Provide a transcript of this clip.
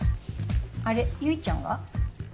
あれ唯ちゃんは？